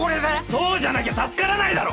そうじゃなきゃ助からないだろ！